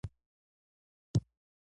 الټرا وایلیټ وړانګې زیان رسوي